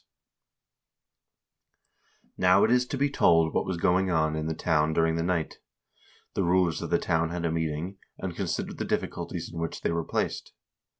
372 HISTORY OP THE NORWEGIAN PEOPLE " Now it is to be told what was going on in the town during the night. The rulers of the town had a meeting, and considered the difficulties in which they were placed.